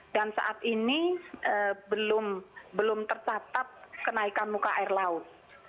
saat ini belum tercatat kenaikan muka air laut